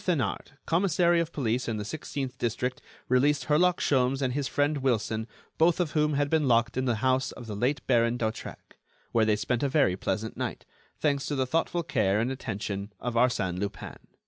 Thenard, commissary of police in the sixteenth district, released Herlock Sholmes and his friend Wilson, both of whom had been locked in the house of the late Baron d'Hautrec, where they spent a very pleasant night—thanks to the thoughtful care and attention of Arsène Lupin."